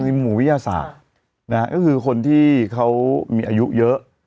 หมู่วิทยาศาสตร์นะฮะก็คือคนที่เขามีอายุเยอะ